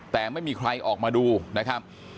แต่ไม่มีใครออกมาดูนะครับ